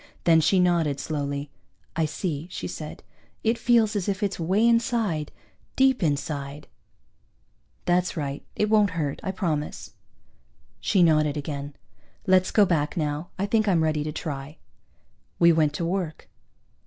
Then she nodded, slowly. "I see," she said. "It feels as if it's way inside, deep inside." "That's right. It won't hurt. I promise." She nodded again. "Let's go back, now. I think I'm ready to try." We went to work.